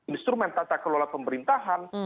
instrumen tata kelola pemerintahan